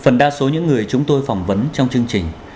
phần đa số những người chúng tôi phỏng vấn trong chương trình